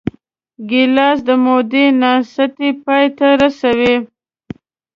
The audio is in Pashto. ګیلاس د مودې ناستې پای ته رسوي.